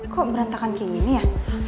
kok berantakan kayak gini ya